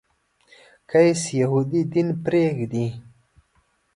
قیس یهودي دین پرېږدي.